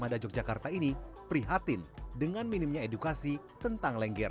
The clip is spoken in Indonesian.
mada yogyakarta ini prihatin dengan minimnya edukasi tentang lengger